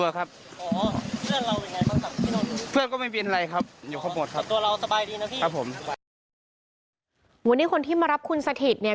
วันนี้คนที่มารับคุณสถิตเนี่ย